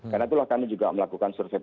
karena itulah kami juga melakukan